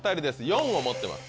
４を持ってます。